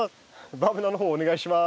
バーベナの方お願いします。